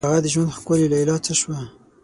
هغه د ژوند ښکلي لیلا څه شوه؟